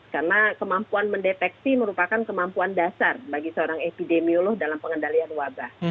karena kemampuan mendeteksi merupakan kemampuan dasar bagi seorang epidemiolog dalam pengendalian wabah